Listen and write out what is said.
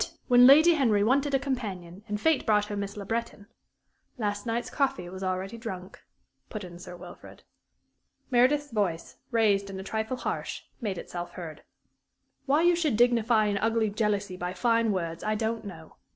When Lady Henry wanted a companion and fate brought her Miss Le Breton " "Last night's coffee was already drunk," put in Sir Wilfrid. Meredith's voice, raised and a trifle harsh, made itself heard. "Why you should dignify an ugly jealousy by fine words I don't know.